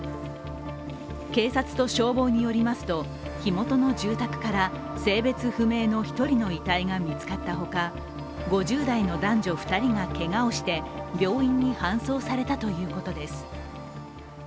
警察と消防によりますと火元の住宅から性別不明の１人の遺体が見つかったほか、５０代の男女２人がけがをして病院に搬送されたということです。